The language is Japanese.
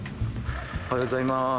おはようございます